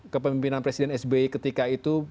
kepemimpinan presiden sby ketika itu